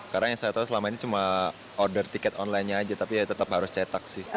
karena yang saya tahu selama ini cuma order tiket online nya saja tapi tetap harus cetak